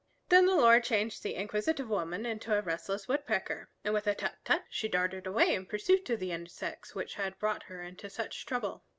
Then the Lord changed the inquisitive woman into a restless Woodpecker, and with a "tut tut!" she darted away in pursuit of the insects which had brought her into such trouble.